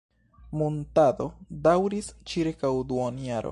Muntado daŭris ĉirkaŭ duonjaro.